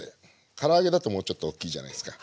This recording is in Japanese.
から揚げだともうちょっと大きいじゃないですか。